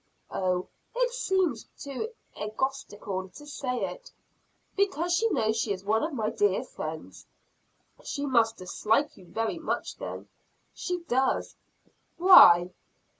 "Oh, it seems too egotistical to say it because she knows she is one of my dear friends." "She must dislike you very much then?" "She does." "Why?"